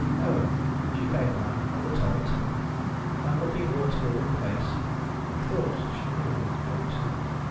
However she paid the man, and the toll too, and look ing Waterloo in the face (he thought she knew him, don't you see